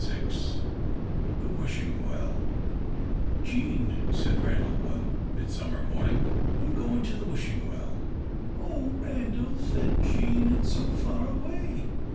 The Wishing Well "JEAN," said Randal one midsummer day, "I am going to the Wishing Well." "Oh, Randal," said Jean, "it is so far away!"